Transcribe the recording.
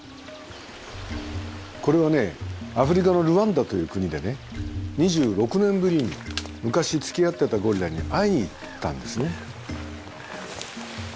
これはアフリカのルワンダという国でね２６年ぶりに昔つきあってたゴリラに会いに行ったんですね。